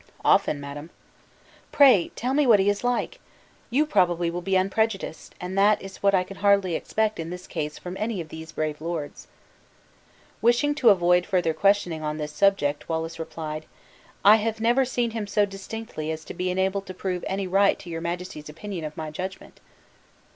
"Often, madam." "Pray tell me what he is like! you probably will be unprejudiced, and that is what I can hardly expect in this case from any of these brave lords." Wishing to avoid further questioning on this subject, Wallace replied: "I have never seen him so distinctly as to be enabled to prove any right to your majesty's opinion of my judgment."